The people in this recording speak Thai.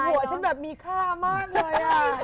ฉันดูหัวฉันแบบมีค่ามากเลยอ่ะ